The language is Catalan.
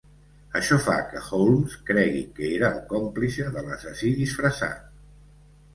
Això fa que Holmes cregui que era el còmplice de l’assassí disfressat.